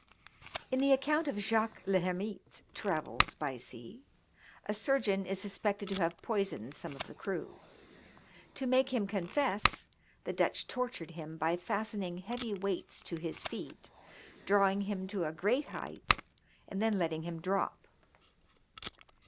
In the account of Jaques le Hermite's travels by sea, ^ surgeon is suspected to have poisoned some of the crew. To make him confess, the Dutch tortured him by fastening heavy weights to his feet, drawing him to a great height and then letting him drop.